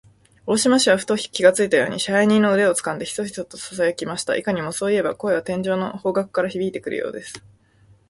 大鳥氏はふと気がついたように、支配人の腕をつかんで、ヒソヒソとささやきました。いかにも、そういえば、声は天井の方角からひびいてくるようです。